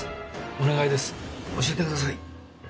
お願いです教えてください！